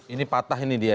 ini patah ini dia ya